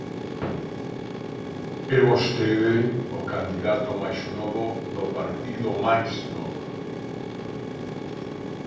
É vostede o candidato máis novo do partido máis novo.